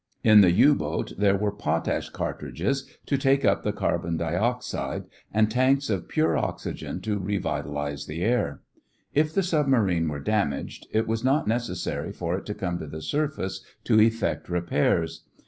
In the U boat there were potash cartridges to take up the carbon dioxide, and tanks of pure oxygen to revitalize the air. If the submarine were damaged, it was not necessary for it to come to the surface to effect repairs.